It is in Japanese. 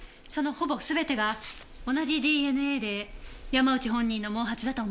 そのほぼすべてが同じＤＮＡで山内本人の毛髪だと思います。